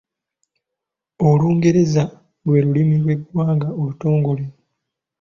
Olungereza lwe lulimi lw’eggwanga olutongole.